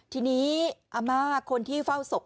ทีนี้อาม่าคนที่เฝ้าศพ